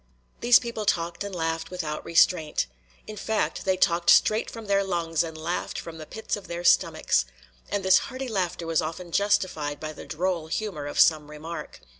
These people talked and laughed without restraint. In fact, they talked straight from their lungs and laughed from the pits of their stomachs. And this hearty laughter was often justified by the droll humor of some remark.